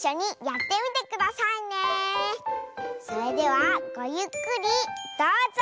それではごゆっくりどうぞ！